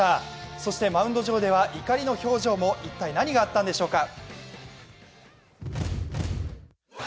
そしてマウンド上では怒りの表情も、一体何があったんでしょうか。